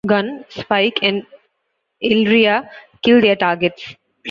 Gunn, Spike, and Illyria kill their targets.